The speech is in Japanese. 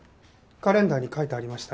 カレンダーに書いてありましたね。